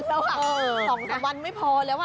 ๒สักวันไม่พอแล้ว